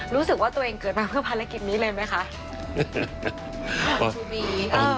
รู้สึกว่าตัวเองเกิดมาเพื่อภารกิจนี้เลยไหมคะ